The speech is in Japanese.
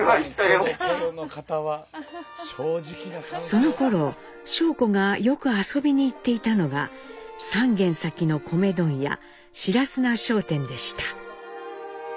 そのころ尚子がよく遊びに行っていたのが３軒先の米問屋白砂商店でした。